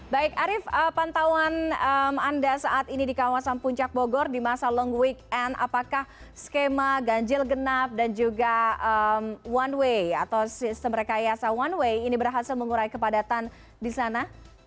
baik arief pantauan anda saat ini di kawasan puncak bogor di masa long weekend apakah skema ganjil genap dan juga one way atau sistem rekayasa one way ini berhasil mengurai kepadatan di sana